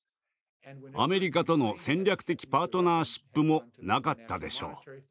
アメリカとの戦略的パートナーシップもなかったでしょう。